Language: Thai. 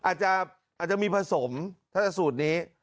อาจจะมีผสมถ้าจะสูตรนี้